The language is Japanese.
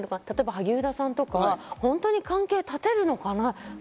萩生田さんとか本当に関係を断てるのかな？